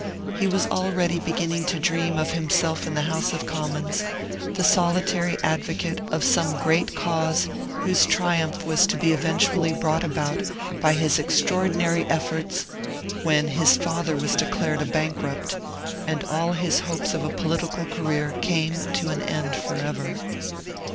He was already beginning to dream of himself in the House of Commons, the solitary advocate of some great cause whose triumph was to be eventually brought about by his extraordinary efforts, when his father was declared a bankrupt, and all his hopes of a political career came to an end forever.